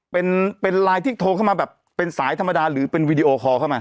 เป็นไลน์ที่โทรเข้ามาแบบเป็นสายธรรมดาหรือเป็นวีดีโอคอลเข้ามา